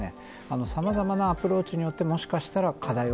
様々なアプローチによってもしかしたら課題を